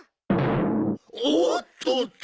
おっとっと。